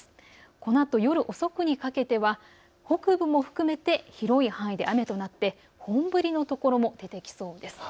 このあと夜遅くにかけては北部も含めて広い範囲で雨となって本降りのところも出てきそうです。